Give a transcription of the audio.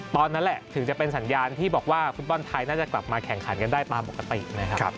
นั่นแหละถึงจะเป็นสัญญาณที่บอกว่าฟุตบอลไทยน่าจะกลับมาแข่งขันกันได้ตามปกตินะครับ